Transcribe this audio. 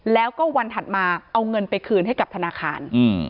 แล้วก็วันถัดมาเอาเงินไปคืนให้กับธนาคาร